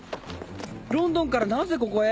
ロンドンからなぜここへ？